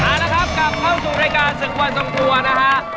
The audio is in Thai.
ถามนะครับกลับเข้าสู่รายการศึกว่าสงสัวร์นะคะ